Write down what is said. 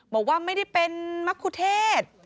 บอกว่าไม่ได้เป็นมะคุเทศ